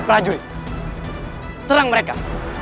rajul serang mereka